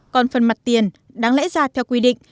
còn phần mặt tiền đáng lẽ ra theo quy định